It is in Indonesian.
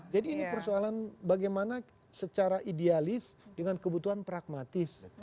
jadi ini persoalan bagaimana secara idealis dengan kebutuhan pragmatis